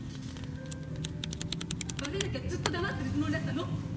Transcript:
バレなきゃずっと黙ってるつもりだったの？